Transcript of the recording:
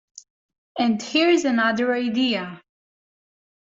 And here's another idea.